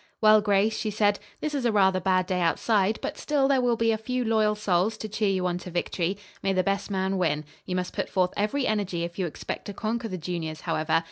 "Well, Grace," she said, "this is a rather bad day outside, but still there will be a few loyal souls to cheer you on to victory. May the best man win. You must put forth every energy if you expect to conquer the juniors, however.